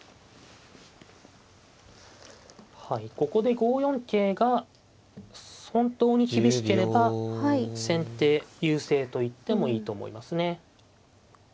はいここで５四桂が本当に厳しければ先手優勢と言ってもいいと思いますね。